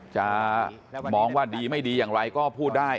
จะมองว่าดีไม่ดีอย่างไรก็พูดได้